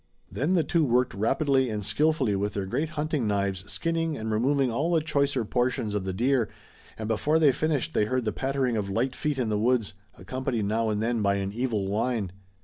Then the two worked rapidly and skillfully with their great hunting knives, skinning and removing all the choicer portions of the deer, and before they finished they heard the pattering of light feet in the woods, accompanied now and then by an evil whine.